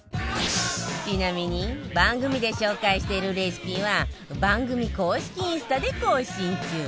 ちなみに番組で紹介しているレシピは番組公式インスタで更新中